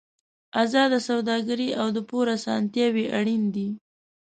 ازاده سوداګري او د پور اسانتیاوې اړین دي.